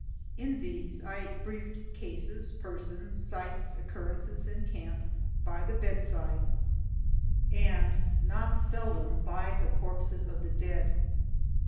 In these, I brief'd cases, persons, sights, occurrences in camp, by the bed side, and not seldom by the corpses of the dead.